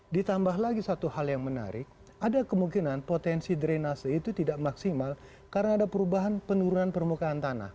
ditambah lagi satu hal yang menarik ada kemungkinan potensi drenase itu tidak maksimal karena ada perubahan penurunan permukaan tanah